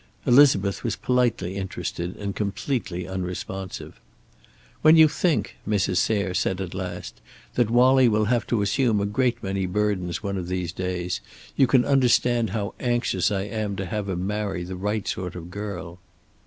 Elizabeth was politely interested and completely unresponsive. "When you think," Mrs. Sayre said at last, "that Wallie will have to assume a great many burdens one of these days, you can understand how anxious I am to have him marry the right sort of girl."